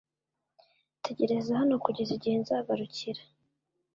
Tegereza hano kugeza igihe nzagarukira .